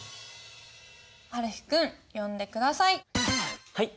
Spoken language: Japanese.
はるひ君読んで下さい。